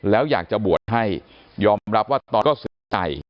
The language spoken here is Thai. แล้วอยากจะบวชให้ยอมรับว่าตอนก็เสียใจ